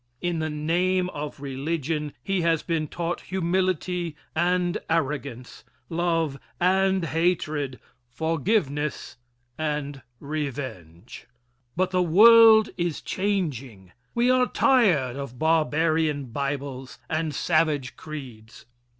In the name of religion he has been taught humility and arrogance, love and hatred, forgiveness and revenge. But the world is changing. We are tired of barbarian bibles and savage creeds.